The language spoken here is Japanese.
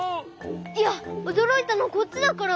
いやおどろいたのこっちだから！